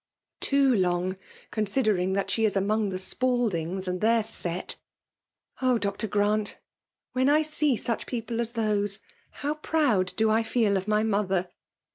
^' Too long* — considering that she is among the Spaldings — and their set ! Oh ! Doctor Grant !— when I see such people as those, how J 24S FEMALE DOMINATION^ proud do I feel of my mother